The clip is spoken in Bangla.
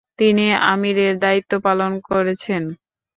তিনি আমিরের দায়িত্বপালন করেছেন।